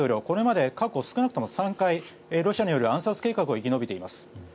これまで過去少なくとも３回ロシアによる暗殺計画を生き延びています。